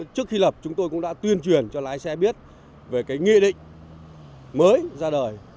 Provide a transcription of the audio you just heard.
trước khi lập chúng tôi cũng đã tuyên truyền cho lái xe biết về cái nghị định mới ra đời